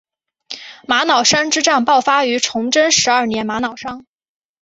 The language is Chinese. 玛瑙山之战爆发于崇祯十二年玛瑙山。